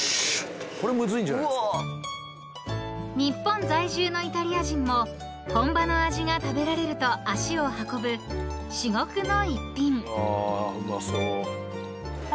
［日本在住のイタリア人も本場の味が食べられると足を運ぶ至極の一品］